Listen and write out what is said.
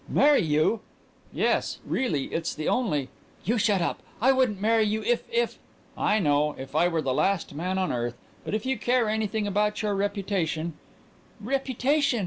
"Marry you!" "Yes. Really it's the only " "You shut up! I wouldn't marry you if if " "I know. If I were the last man on earth. But if you care anything about your reputation " "Reputation!"